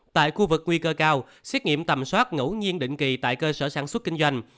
tại khu vực nguy cơ cao xét nghiệm tầm soát ngẫu nhiên định kỳ tại cơ sở sản xuất kinh doanh